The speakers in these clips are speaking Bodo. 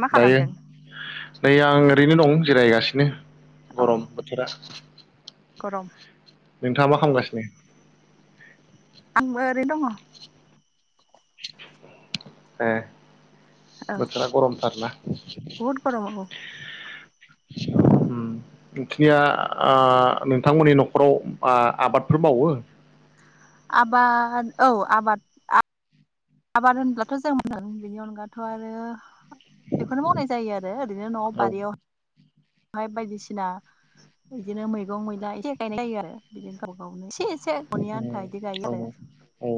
मा दायो। खालामदों नै आं ओरैनो दं जिरायगासिनो। औ गरम बोथोरा गरम। नोंथाङा मा खालामगासिनो? आंबो ओरै दङ। ए। बोथोरा गरमथारना? बहुत गरम औ। बेखिनिया नोंथांमोननि न'खराव आबादफोर मावो। आबाद औ आबाद आबाद होनब्लाथ' जों मोनो बेनि अनगाथ' आरो बेखौनो मावनाय जायो आरो ओरैनो न'आव औ बारियाव बेहाय बायदिसिना बिदिनो मैगं मैला एसे गायनाय जायो आरो बिदिनो गाव गावनो एसे से न'नि आन्था बिदि गायो आरो। औ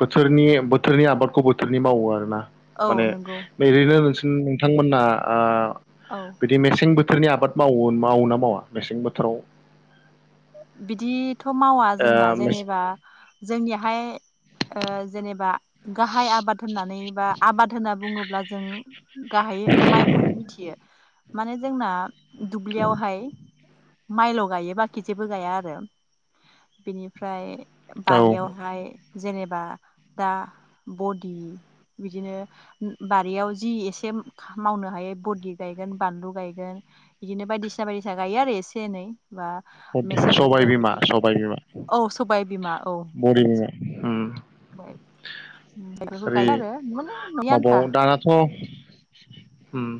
बोथोरनि बोथोरनि आबादखौ बोथोरनि मावो आरोना। औ माने नंगौ ओरैनो नों नोंथांमोनना ओ औ बिदि मेसें बो बोथोरनि आबाद माव मावो मावोना मावा मेसें बोथोराव बिदि थ' मावा जोंना जेनेबा जोंनिहाय ओ जेनेबा गाहाइ आबाद होननानै बा आबाद होनना बुङोब्ला होनब्ला जों गाहायै माइखौनो मिथियो। माने जोंना दुब्लियावहाय माइल' गायो बाखि जेबो गाया आरो बेनिफ्राय ओ औ बारियावहाय जेनेबा दा बदि बिदिनो बारियाव जि एसे मावनो हायै बदि गायगोन बानलु गायगोन बिदिनो बायदिसिना बायदिसिना गायो आरो एसे एनै बा मेसें सबाय बोथोराव बिमा बिदिनो सबाय बिमा औ सबाय बरि बिमा उम। उम बेफोरखौ गायो आरो माने न'नि आन्था। माबायाव दानाथ' उम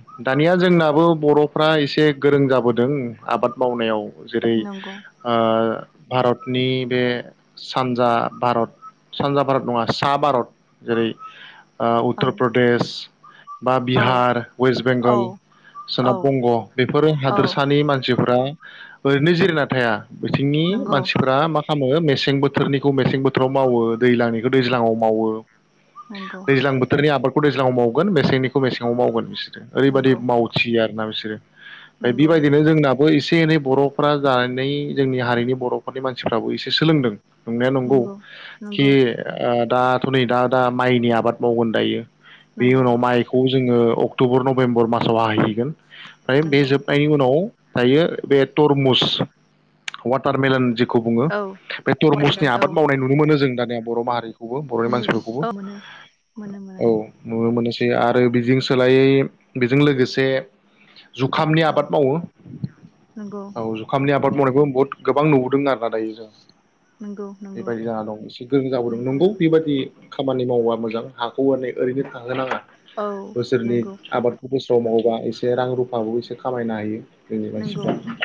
दानिया जोंनाबो बर'फ्रा एसे गोरों जाबोदों आबाद मावनायाव। जेरै नंगौ ओ भारतनि बे सानजा भारत सानजा भारत नङा सा भारत जेरै औ उत्तर प्रदेश बा औ बिहार, वेस्ट बेंगल, औ औ सोनाब बंग', बेफोरो औ हादोरसानि मानसि फोरा ओरैनो जिरिना थाया। बिथिंनि नंगौ मानसिफ्रा मा खालामो मेसें बोथोरनिखौ मेसें बोथोराव मावो दैज्लांनिखौ दैज्लाङाव मावो। नंगौ दैज्लां बोथोरनि आबाद खौ दैज्लाङाव मावगोन मेसेंनिखौ मेसेङाव मावगोन ओरैबादि नंगौ मावथियो आरो ना बिसोरो। नंगौ बेबायदिनो जोंना बो इसे एनै बर' फोरा जानानै जोंनि हारिनि बर'फोरनि मानसिफ्राबो एसे सोलोंदों। नंनाया नंगौ कि ओ दाथ' नै दा दा माइनि आबाद मावगोन दायो। बेनि नंगौ उनाव माइखौ जोङो अक क्टबर, नभेम्बर मासाव हाहैगोन। ओफ्राय बे नंगौ जोबनायनि उनाव दायो बे तरमुस वाटार मेलन जे खौ बुङो औ बे तरमुसनि वाटारमेलन औ आबाद मावनाय नुनो मोनो जों दानिया। बर' माहारि बर'नि मानसिफोरखौबो औ मोनो मोनो मोनो औ नुनो मोनोसै। आरो बिजों सोलायै बेजों लोगोसे जुखामनि औ आबाद मावो। नंगौ औ जुखामनि आ [unintelligible] बुहुत गोबां नुबोदों आरोना दायो जों। नंगौ नंगौ बेबायदि जाना दं एसे गोरों जाबोदों नंगौ बेबायदि खामानि मावा मोजां हाखौ हानै ओरैनो थाहोनाङा। औ बोसोरनि नंगौ आबादखौबो समावबा एसे रां रुफाबो एसे खामायनो हायो। जोंनि नंगौ मानसिफ्रा।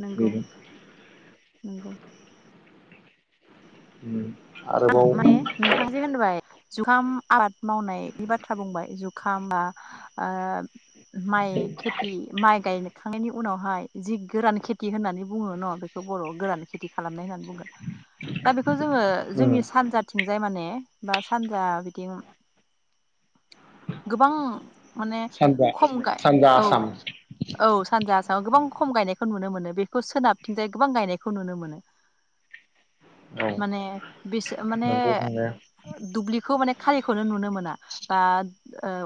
नंगौ बेनो नंगौ। [unintelligible] आं माने नोंथां जे होनबाय। जुखाम आबाद मावनायनि बाथ्रा बुंबाय जुखामा ओ माइ खेथि माइ गायनो खांनायनि उनावहाय जि गोरान खेथि होननानै बुङो न' बेखौ बर' गोरान खेथि खालामनाय होननानै दा बेखौ जोङो उम जोंनि सानजाथिं जाय माने बा सानजा बिदि गोबां माने सानजा खम गाय सानजा औ आसाम औ सानजा आसामाव गोबां खम गायनाय खौ नुनो मोनो बेखौ सोनाबथिंजाय गोबां गायनायखौ नुनो मोनो। औ माने बिस माने नंगौ बुंनाया दुब्लि खौ माने खारिखौनो नुनो मो बा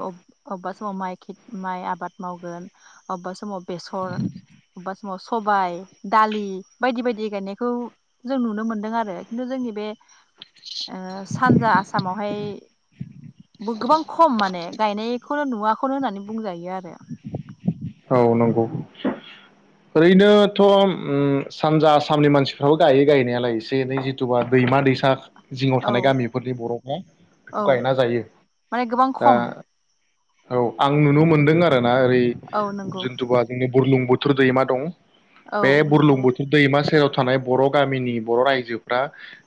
ओ अबेबा समाव माइ [unintelligible] माइ आबाद मावगोन अबेबा समाव बेसर बबा समाव सबाय दालि। बायदि बायदि गायनायखौ जों नुनो मोन्दों आरो खिन्थु जोंनि बे ओ सानजा आसामावहाय गोबां खम माने गायनाय खौनो नुवाखौनो होननानै बुंजायो आरो। औ नंगौ ओरैनोथ' सानजा आसामनि मानसिफ्राबो गायो गायनायालाय एसे एनै जिथुबा दैमा दैसा। जिङाव औ थानाय गामिफोरनि बर'फ्रा बेखौ औ गायना जायो माने गोबां दा खम औ आं नुनो मोनदों आरो। ना ओरै औ नंगौ जेनथ'बा जोंनि बरलुं बु दैमा दं औ बे नंगौ बुरलुंबुथुर दैमा सेराव थानाय बर' गामिनि बर' रायजोफ्रा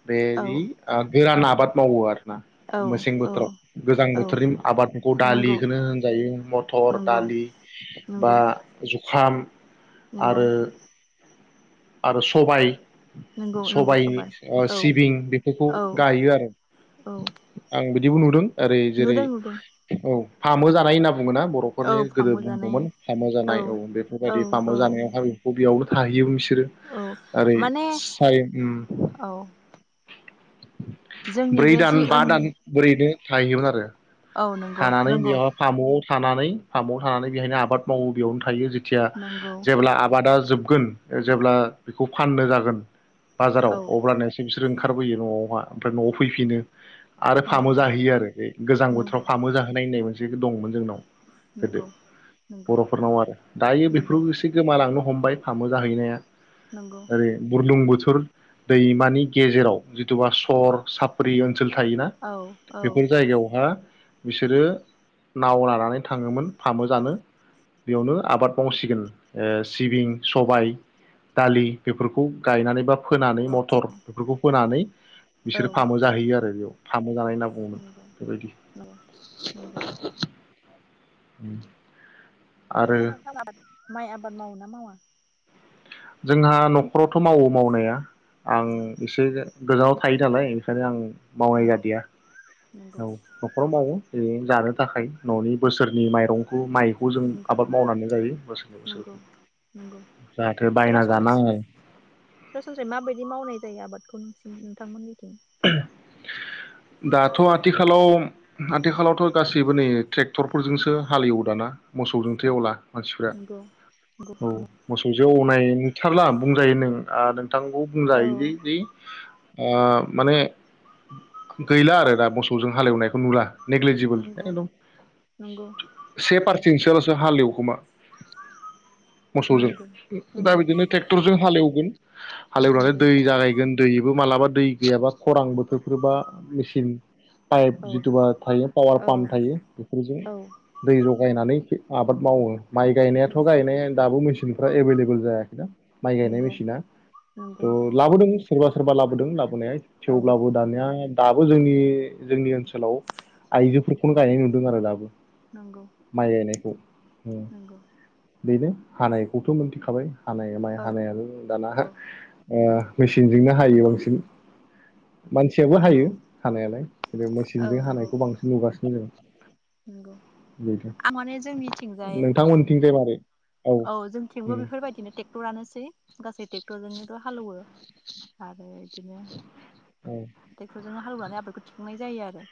[unintelligible] औ गोरान आबाद मावो आरो। औ मेसें औ बोथोराव गोजां औ बोथोरनि आबादफोरखौ नंगौ दालिखौनो होनजायो मथर नंगौ दालि बा नंगौ [unintelligible] नंगौ आरो आरो सबाय नंगौ नंगौ सबायनि सबाय औ सिबिं बेफोरखौ औ गायो आरो औ आं बिदिबो नुदों ओरै जेरै नुदों नुदों औ। फामु जानाय होनना बुङो। बुङोना औ बर'फोरनि गोदो फामु जानाय बुंदोंमोन फामु जानाय औ औ बेफोरबायदि फामु औ जानायावहाय बेयावनो हायो [inaudible] औ [inaudible] ओरै माने [inaudible] औ जोंनि ब्रै बे दान जि बा ओन दान ओरैनो थाहैयोमोन आरो। औ नंगौ थानानै नंगौ बेयावहाय फामुआव थानानै फार्माव थानानै बेहायनो आबाद मावो बेयावनो थायो। नंगौ जेब्ला आबादा जोबगोन जेब्ला बेखौ फाननो जागोन बाजाराव औ अब्लानो ओंखारबोयो न'आवहा ओमफ्राय न'आव फैफिनो। आरो फामु नंगौ जाहैयो आरो गोजां बोथोराव नंगौ फाममु जाहोनाय होननाय मोनसे दंमोन जोंनाव गोदो नंगौ नंगौ बर'फोरनाव आरो दायो नंगौ बेफोरखौ एसे गोमालांनो हमबाय फामु जाहैनाया नंगौ आरै बुरलुंबुथुर दैमानि गेजेराव जिथुुबा सर साप्रि ओनसोल ओनसोल थायोना औ औ बेफोर जायगायावहा बिसोरो नाव लानानै थाङोमोन फामु जानो बेयावनो आबाद मावसिगोन सिबिं, सबाय, दालि बेफोरखौ गायनानै बा फोनानै औ मटर बेफोरखौ फोनानै औ बिसोरो फामु जाहैयो आरो बेयाव। फामु जानाय होनना बुङोमोन नंगौ बेबायदि। नंगौ नंगौ उम। ओरैनो थाल आबाद माइ आबाद मावोना मावा। जोंहा न'खरावथ' मावो मावनाया। आं औ एसे गोजानाव। थायो नालाय ओनिखायनो आं मावनाय नंगौ जादिया नंगौ औ न'खराव मावो ओरै जानो थाखाय न'नि बोसोरनि माइरं माइखौ जों नंगौ आबाद मावनानै जायो बोसोरै बोसोर। सरानस्रा सरासनस्रायै माबायदि मावनाय जायो आबादखौ नोंसि नोंथांमोननि दिन। दाथ' आथिखालाव आथिखालावथ' गासैबो नै ट्रेक्टरफोरजोंसो हाल एवो दाना मोसौजोंथ' एवला। मानसिफोरा नंगौ नंगौ औ मोसौ एवनाय नुथारला बुंजायो नों नोंथांखौ औ बुंजायोदि दि ओं। माने गैला आरो दा मोसौजों हालेवनायखौ नुला। नेगलिजिबोल से नंगौ नंगौ जोंथिंजायलसो हालेव खोमा। मोसौजों नंगौ दा नंगौ बिदिनो नंगौ ट्रेक्टरजों हालेव [inaudible] हालेवनानै नंगौ दै जागायगोन। दैबो मालाबा दै गैयाबा खरां बोथोरफोरबा मेचिन पाइप औ जिथुबा थायो पावार औ पाम्प थायो बेफोरजों औ दै जगायनानै आबाद मावो। माइ गायनायाथ' नंगौ गायनाय दाबो मेचनखौ फ्रा‌ एबेल एबोल जायाखैना। माइ गायनाय नंगौ मेसिना नंगौ थ' लाबोदोंमोन सोरबा सोरबा लाबोदों लाब औ थेवब्लाबो दानिया दाबो जोंनि जोंनि ओनसोलाव आइजोफोरखौनो गायनाय नुदों आरो दाबो। माइ गायनायखौ नोंगौ बेनो हानायखौथ' मोनथिखाबाय हानाया माइ हानाया दाना ओ मेसिनजोंनो हायो नंगौ बांसिन मानसियाबो हायो नंगौ हानायालाय [unintelligible] औ मेसिनजों नंगौ हानायखौ बांसिन नुगासिनो जोंङो नंगौ आं माने जोंनिथिंजाय नोंथांमोनथिंजाय मारै औ जोंथिंबो उम बेफोरबायदिनो टेक्टरानोसै गासै टेक्टरजोंनोथ' हालेवो आरो इदिनो औ टेक्टर जोंनो हालेवनानै आबादखौ थिखांनाय जायो आरो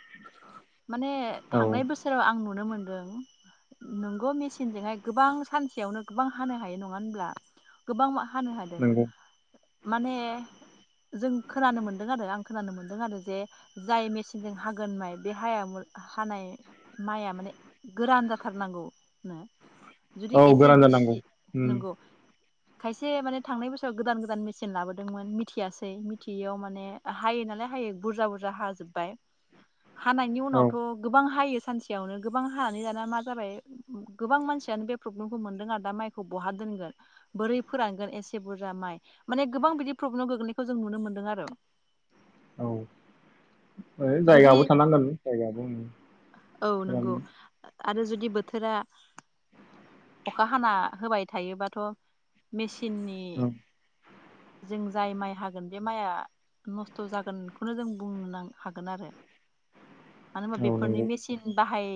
माने औ थांनाय बोसोर आं नुनो मोनदों नोंगौ मेसिनजोंहाय गोबां सानसेयावनो गोबां हानो हायो नङा होनब्ला गोबां हानो हादों नंगौ माने जों खोनानो मोनदों आरो आं खोनानो मोन्दों आरो जे जाय मेसिनजों हागोन माइ बे हाया हानाय माइआ माने गोरान जाथारनांगौनो जुदि औ एसे गोरान जानांगौ गिसि उम नंगौ खायसे माने थांनाय बोसोराव गोदान गोदान मेचिन लाबोदोंमोन मिथियासै मिथियैयाव माने हायो नालाय हायो बुरजा बुरजा हाजोब्बाय हानायनि औ उनावथ' गोबां हायो सानसेयावनो गोबां हानानै दाना मा जाबाय गोबां मानसियानो बे प्रब्लेमखौ मोनदों आरो दा माइखौ बहा दोनगोन बोरै फोरानगोन एसे बुरजा माइ माने गोबां बिदि प्रब्लेम गोग्लैनायखौ जों नुनो मोनदों आरो। औ जुदि जायगायावो थानांगोन जायगाबो औ ओम नंगौ [unintelligible] आरो जुदि बोथोरा अखा हाना होबाय थायोबाथ' मेसिननि औ जों जाय माइ हागोन बे माइआ नस्थ' जागोन खौनो जों बुंनो नां हागोन आरो मानो होनबा औ बेफोरनि नंगौ मेसिन बाहाय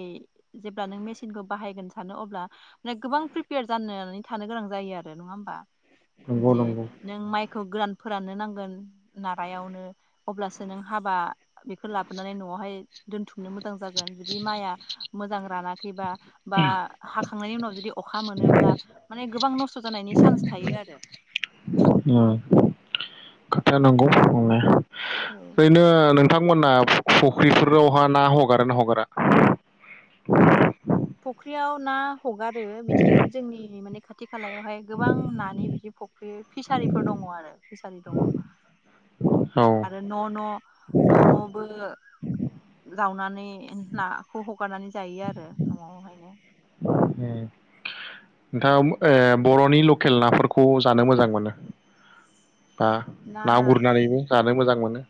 जेब्ला नों मेसिनखौ बाहायगोन सानो अब्लाे गोबां प्रिपेयार जानानै थानो गोनां जायो आरो। नङा होमबा? नंगौ जे नंगौ। नों माइखौ गोरान फोराननो नांगोन नारायावनो अब्लासो नों हाबा बेखौ लाबोनानै न'आवहाय दोनथुमनो मोजां जागोन। जुदि माइआ मोजां रानाखैबा बा हा खांनायनि उनाव जुदि अखा मोनोब्ला माने गोबां नस्थ' जानायनि चान्स थायो आरो। ओम खोथाया नंगौ नंनाया। औ ओरैनो नों थांमोना फुख्रिफोरावहा ना हगारोना हगारा? फख्रियाव ना हगारो बिथिं जोंनि माने खाथि खालायावहाय गोबां नानि बिदि फुख्रि फिसारिफोर दङ आरो, फिसारि दङ। औ आरो न' न' न' न'बो जावनानै नाखौ हगारनानै जायो आरो न'आवहायनो। उम नोंथाङा ओ बर'नि लकेल नाफोरखौ जानो मोजां मोनो बा ना गुरनानैबो जानो मोजां मोनो?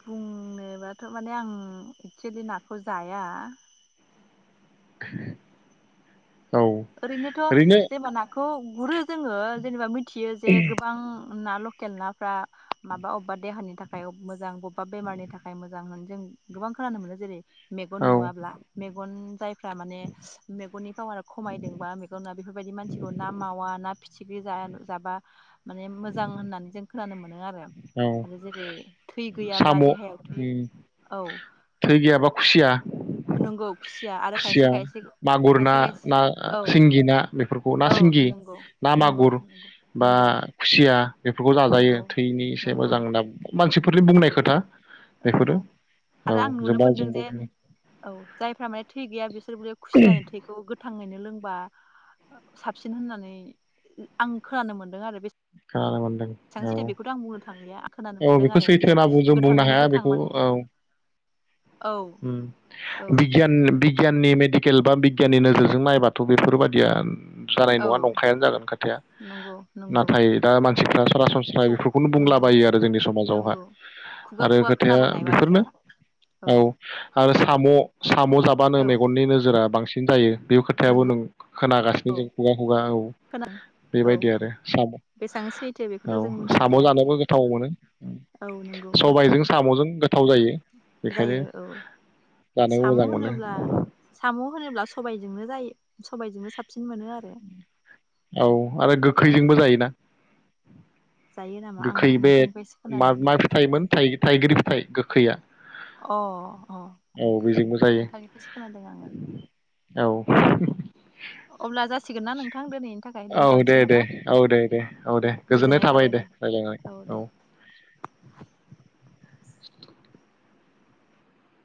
बुंनोबाथ' माने आं एक्सुयेलि नाखौ जाया [inaudible] ओरैनोथ' ओरैनो जेनबा नाख खौ गुरो जोङो जेनेबा मिथियो जे गोबां ना लकेल नाफ्रा माबा अबेबा देहानि थाखाय मोजां, बबेबा बेमारनि थाखाय मोजां होननानै जों गोबां खोनानो मोनो। जेरै - मेगन औ नुवाब्ला, मेगन जायफ्रा माने मेगननि पावारा खमायदोंबा मेगन ना बेफोरबायदि मानसिखौ ना मावा ना फिथिख्रि जाया जाबा माने मोजां होननानै जों खोनानो मोनो आरो। औ आरो जेरै थै गैयाब्ला साम' देहायाव थै औ थै गैयाबा खुसिया नोंगौ। खुसिया, मागुर ना, खायसे ना औ सिंगि, ना बेफोरखौ ना औ सिंगि नंगौ ना नंगौ मागुर बा नंगौ खुसिया बेफोरखौ जाजायो नंगौ थैनि एसे नंगौ मोजां ना मानसिफोरनि बुंनाय नंगौ खोथा बेफोरो। नंगौ औ। आरो आं [unintelligible] नुनो मोनदों जोंबो जे औ जायफ्रा माने थै गैया बिसोरबोलै खुसियानि थैखौ गोथाङैनो लोंबा साबसिन होननानै आं खोनानो मोनदों आरो बे [inaudible] औ थांलिया आं खोनानो औ मोनदों बेखौ आरो सैथो जे होनना जों बुंनो गोथाङैनो हाया गोथां बेखौ माने औ। औ औ बिगियाननि मेडिकेल बा बिगियाननि नोजोरजों नायबाथ' बेफोरबादिया जानाय औ नङा नंखायानो जागोन खोथाया। नंगौ नंगौ थाय दा मानसिफ्रा सरासनस्रा खु बेफोरखौनो नंगौ बुंलाबायो आरो जोंनि समाजआवहा नंगौ खुगा आरो खुगा खोथाया खोनाबोनाय बेफोरनो बाथ्रा औ। आरो साम'। साम' जाबानो औ मेगननि नोजोरा बांसिन। सिनथायो। बे खोथायाबो नंगौ नोंगौ। खोनागासिनो जों खुगा। खुगा औ बेबायदि आरो साम'। बेसां सैथो बेखौथ' औ जों साम' मिथिलिया। जानोबो गोथाव मोनो औ नंगौ गोथाव सबायजों साम'जों गोथाव जायो बेखायनो जायो औ जानोबो साम' मोजां मोनो होनोब्ला साम' होनोब्ला सबायजोंनो जायो। सबायजोंनो साब औ आरो औ गोखैजोंबो जायोना। जायो नामा आं गोखै बे नोंथांनिफ्रायसो मा खोनादों मा फिथायाइमोन थाइ थाइगिर फिथाइ। गोखैया। अ अ औ बेजोंबो जायो नोंथांनिफ्रायसो खोनादों आङो। [unintelligible] अब्ला जासिगोन ना नोंथां दिनैनि थाखाय औ दे दोन्थ'नोसै दे नामा अ दे गोजोननाय थाबाय दे। रायलायबाय औ। [unintelligible]